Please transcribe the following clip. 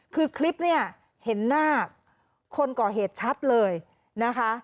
คือคลิปเนี่ยเห็นหน้าคนก่อเหตุชัดเลยนะคะ